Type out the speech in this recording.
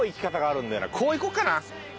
こう行こうかな。